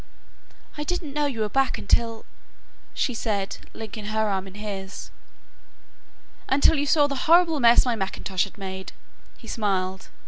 "I didn't know you were back until " she said; linking her arm in his. "Until you saw the horrible mess my mackintosh has made," he smiled.